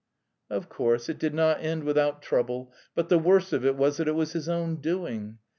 Of course it did not end without trouble; but the worst of it was that it was his own doing.